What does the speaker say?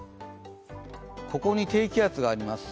ここに低気圧があります。